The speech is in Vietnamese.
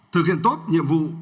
thực hiện tốt nhiệm vụ